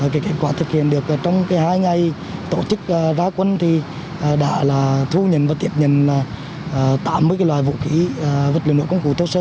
kết quả thực hiện được trong hai ngày tổ chức ra quân đã thu nhận và tiệp nhận tám mươi loại vũ khí vật liệu nộ công cụ thô sơ